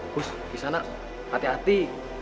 terus di sana hati hati